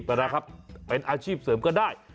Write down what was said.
เป็นอาชีพเสริมก็ได้